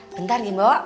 bentar ya mbak